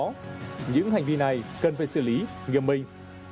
những hành vi này cần phải xử lý nghiêm minh